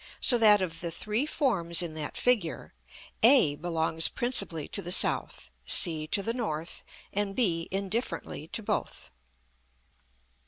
so that, of the three forms in that figure, a belongs principally to the south, c to the north, and b indifferently to both.